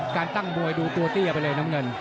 การตั้งมวยดูตัวเตี้ยไปเลยน้ำเงิน